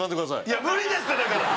いや無理ですってだから！